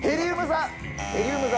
ヘリウム座。